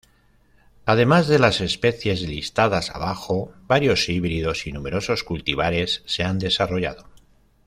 Además de las especies listadas abajo, varios híbridos y numerosos cultivares se han desarrollado.